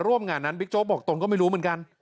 ร่วมงานนั้นบิ๊กโจ๊กบอกตนก็ไม่รู้เหมือนกัน